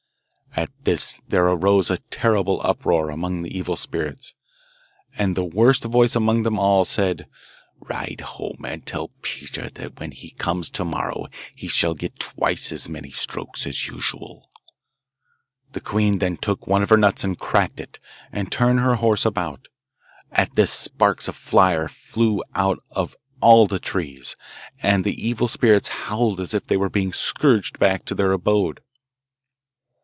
At this there arose a terrible uproar among the evil spirits, and the worst voice among them all said, 'Ride home and tell Peter that when he comes to morrow he shall get twice as many strokes as usual.' The queen then took one of her nuts and cracked it, and turned her horse about. At this sparks of fire flew out of all the trees, and the evil spirits howled as if they were being scourged back to their abode.